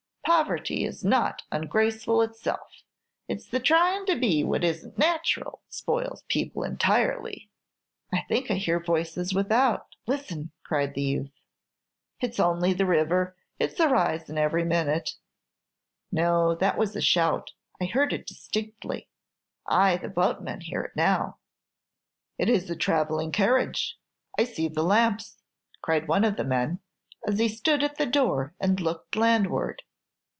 Poverty is not ungraceful itself. It's tryin' to be what isn't natural, spoils people entirely." "I think I hear voices without. Listen!" cried the youth. "It 's only the river; it's risin' every minute." "No, that was a shout. I heard it distinctly. Ay, the boatmen hear it now!" "It is a travelling carriage. I see the lamps," cried one of the men, as he stood at the door and looked landward.